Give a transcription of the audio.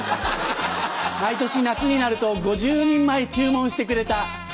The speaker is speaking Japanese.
毎年夏になると５０人前注文してくれた。